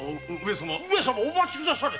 上様お待ちくだされ